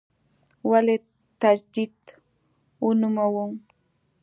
ولې تجدید ونوموو.